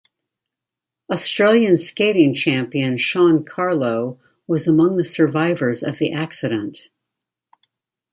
Australian skating champion Sean Carlow was among the survivors of the accident.